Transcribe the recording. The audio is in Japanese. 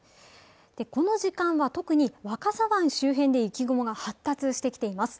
この時間は特に若狭湾周辺で雪雲が発達してきています。